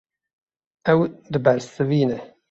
Ew dibersivîne.